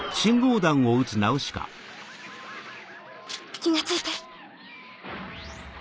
気がついて。